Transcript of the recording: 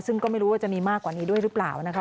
ซึ่งก็ไม่รู้ว่าจะมีมากกว่านี้ด้วยหรือเปล่านะคะ